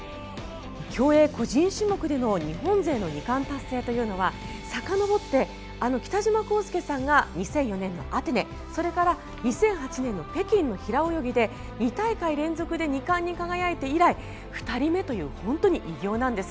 競泳個人種目での日本勢の２冠達成というのはさかのぼってあの北島康介さんが２００４年のアテネそれから２００８年の北京の平泳ぎで２大会連続で２冠に輝いて以来２人目という本当に偉業なんです。